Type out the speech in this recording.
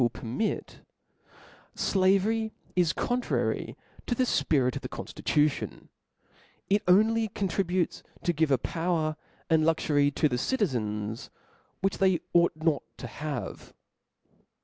wiU permit^ fl^^very is contrary to the fpirit of the conftittition : it only contributes to giVe a power and kxury to the citizens which they ought not to have.